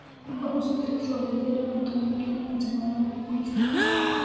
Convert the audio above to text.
Bajo su dirección el diario mantuvo una línea conservadora y populista.